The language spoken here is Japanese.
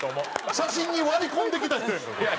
写真に割り込んできた人やんかこれ。